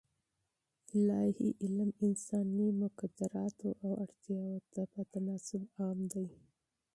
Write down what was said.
الاهي علم انساني مقدراتو او اړتیاوو ته په تناسب عام دی.